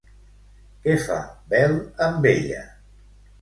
Què fa Bel amb ella?